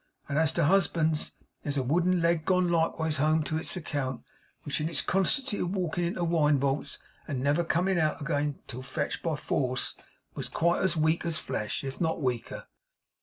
And as to husbands, there's a wooden leg gone likeways home to its account, which in its constancy of walkin' into wine vaults, and never comin' out again 'till fetched by force, was quite as weak as flesh, if not weaker.